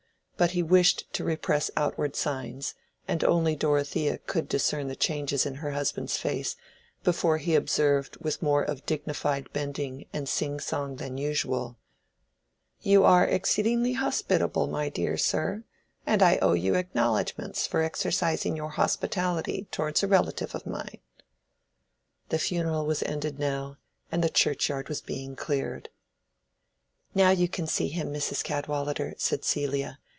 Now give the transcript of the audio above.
But he wished to repress outward signs, and only Dorothea could discern the changes in her husband's face before he observed with more of dignified bending and sing song than usual— "You are exceedingly hospitable, my dear sir; and I owe you acknowledgments for exercising your hospitality towards a relative of mine." The funeral was ended now, and the churchyard was being cleared. "Now you can see him, Mrs. Cadwallader," said Celia.